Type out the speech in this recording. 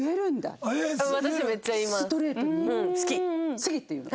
「好き」って言うの？